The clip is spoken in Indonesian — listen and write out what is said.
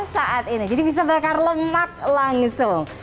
saat ini jadi bisa bakar lemak langsung